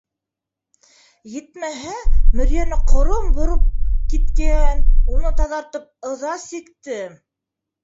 Етмәһә, мөрйәне ҡором бороп киткән, уны таҙартып ыҙа сиктем.